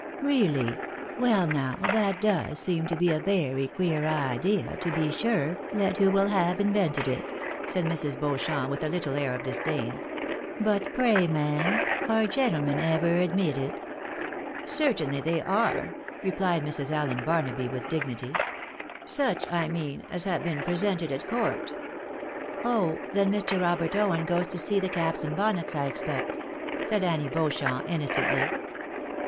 " Really ! Well now, that does seem to be a very queer idea, to be sure, let who will have invented it !" said Mrs. Beauchamp, with a little air of disdain. " But pray, ma'am, are gentlemen ever admitted? "" Certainly they are," rephed Mrs. Allen Barnaby with dignity. " Such, I mean, as have been presented at court." " Oh ! then Mr. Robert Owen goes to see the caps and bonnets, I expect," said Annie Beauchamp, innocently.